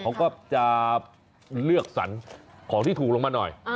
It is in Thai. เขาก็จะเลือกสรรของที่ถูกลงมาหน่อย